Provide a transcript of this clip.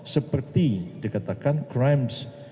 seperti dikatakan crimes